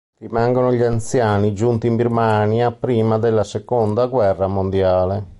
Rimangono gli anziani giunti in Birmania prima della seconda guerra mondiale.